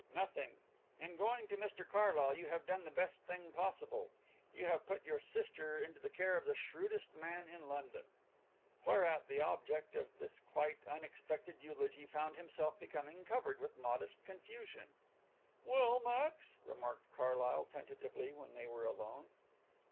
"Nothing. In going to Mr Carlyle you have done the best thing possible; you have put your sister into the care of the shrewdest man in London." Whereat the object of this quite unexpected eulogy found himself becoming covered with modest confusion. "Well, Max?" remarked Mr Carlyle tentatively when they were alone.